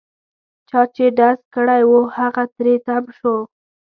چا چې ډز کړی وو هغه تري تم شو.